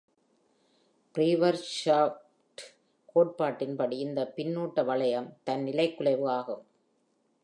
ஃப்ரீவைர்ட்ஷாஃப்ட் கோட்பாட்டின் படி, இந்த பின்னூட்ட வளையம் “தன் - நிலைக்குலைவு”ஆகும்.